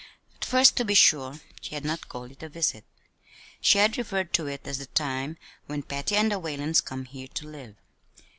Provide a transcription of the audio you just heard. At first, to be sure, she had not called it a visit; she had referred to it as the time when "Patty and the Whalens come here to live."